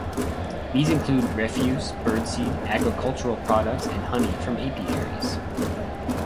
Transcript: These include refuse, birdseed, agricultural products and honey from apiaries.